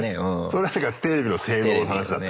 それはテレビの性能の話だったけど。